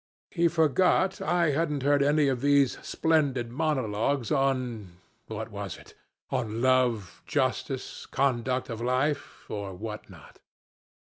He forgot I hadn't heard any of these splendid monologues on, what was it? on love, justice, conduct of life or what not.